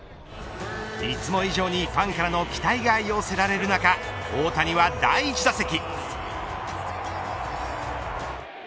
いつも以上にファンからの期待が寄せられる中大谷は第１打席。